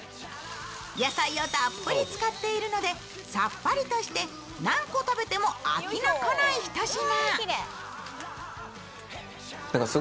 野菜をたっぷり使っているので、さっぱりとして、何個食べても飽きのこない一品。